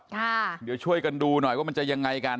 เดี๋ยวช่วยกันดูหน่อยว่ามันจะยังไงกัน